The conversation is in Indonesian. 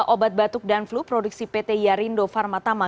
obat batuk dan flu produksi pt yarindo pharma tama